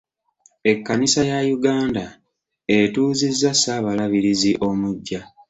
Ekkanisa ya Uganda etuuzizza Ssaabalabirizi omuggya.